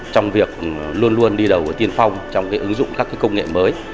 trong việc luôn luôn đi đầu và tiên phong trong ứng dụng các công nghệ mới